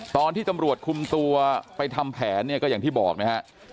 ตอนที่ตำรวจคุมตัวไปทำแผนเนี่ยก็อย่างที่บอกนะฮะ